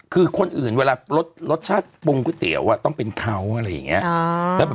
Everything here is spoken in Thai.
คือคนอื่นเวลารสชาติปรุงก๋วยเตี๋ยวต้องเป็นเขาอะไรอย่างนี้